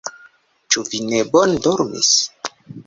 Ĉu vi ne bone dormis?